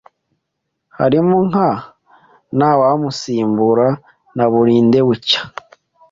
harimo nka Ntawamusimbura na Burinde Bucya